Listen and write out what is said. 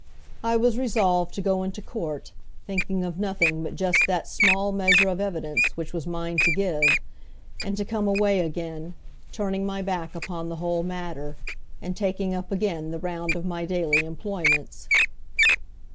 I was resolved to go into court, thinking of nothing but just that small measure of evidence which was mine to give; and to come away again, turning my back upon the whole matter, and taking up again the round of my daily employments.